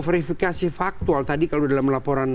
verifikasi faktual tadi kalau dalam laporan